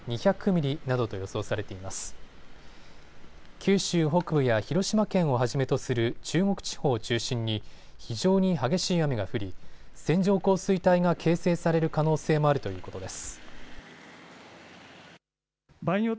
九州北部や広島県をはじめとする中国地方を中心に非常に激しい雨が降り線状降水帯が形成される可能性もあるということです。